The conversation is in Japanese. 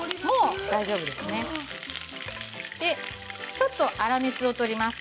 ちょっと粗熱を取ります。